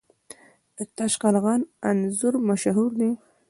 د تاشقرغان انځر مشهور دي